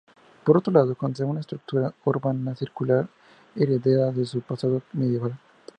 Por otro lado, conserva su estructura urbana circular, heredada de su pasado medieval.